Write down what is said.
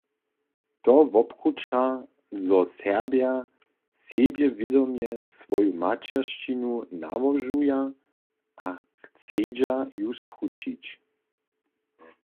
To wobkruća, zo Serbja sebjewědomje swoju maćeršćinu nałožuja a chcedźa ju skrućić.